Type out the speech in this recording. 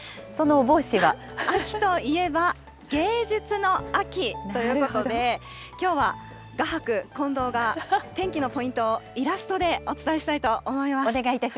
秋といえば、芸術の秋ということで、きょうは画伯、近藤が、天気のポイントをイラストでお伝えしたいと思います。